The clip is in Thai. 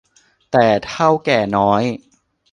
แต่ เถ้าแก่น้อย